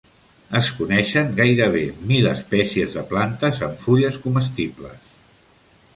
Es coneixen gairebé mil espècies de plantes amb fulles comestibles.